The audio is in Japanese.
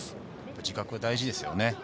自覚は大事ですね。